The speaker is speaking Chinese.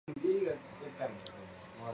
洛克人系列的首部作品续作第三部。